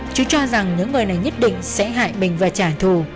chứ cho rằng những người này nhất định sẽ hại mình và trả thù